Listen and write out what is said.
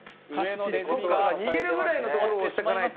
逃げるぐらいのところを。